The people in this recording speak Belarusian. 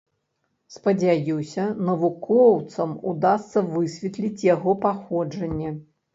Спадзяюся, навукоўцам удасца высветліць яго паходжанне.